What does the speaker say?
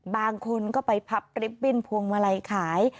บางคนก็ไปพับริบบิ้นพวงมาลัยขาย